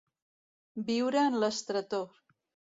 Viure en l'estretor.